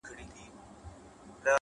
o او ستا پر قبر به؛